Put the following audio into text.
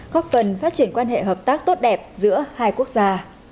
góp phần phát triển quan hệ hợp tác tốt đẹp giữa hai quốc gia